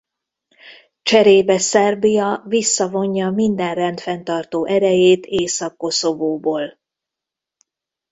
Cserébe Szerbia visszavonja minden rendfenntartó erejét Észak-Koszovóból.